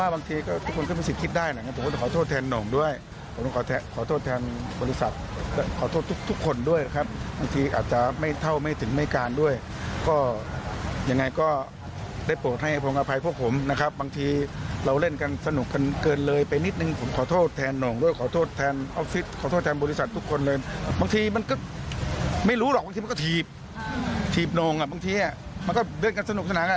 บางทีมันก็ไม่รู้หรอกบางทีมันก็ถีบถีบนงบางทีมันก็เดินกันสนุกสนัก